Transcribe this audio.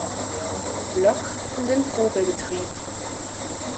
Block in den Probebetrieb.